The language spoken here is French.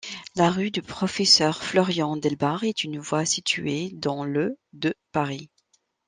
La rue du Professeur-Florian-Delbarre est une voie située dans le de Paris.